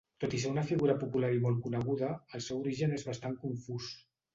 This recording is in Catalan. Tot i ser una figura popular i molt coneguda, el seu origen és bastant confús.